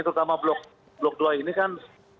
terutama blok dua ini kan